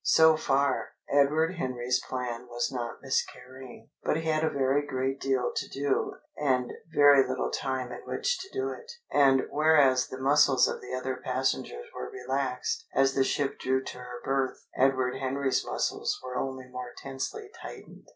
So far, Edward Henry's plan was not miscarrying. But he had a very great deal to do and very little time in which to do it, and whereas the muscles of the other passengers were relaxed as the ship drew to her berth Edward Henry's muscles were only more tensely tightened.